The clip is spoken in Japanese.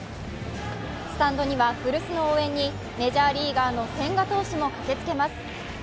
スタンドには古巣の応援にメジャーリーガーの千賀投手も駆けつけます。